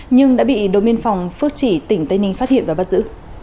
nhưng đã bị đồn biên phòng phước chỉ tỉnh tây ninh phát hiện và bắt giữ